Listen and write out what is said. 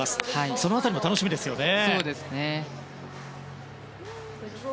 その辺りも楽しみですね。